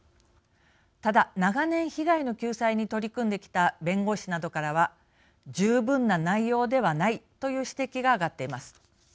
ただ長年、被害の救済に取り組んできた弁護士などからは十分な内容ではないという指摘が挙がっています。